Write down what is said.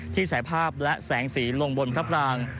ฉายภาพและแสงสีลงบนพระปราง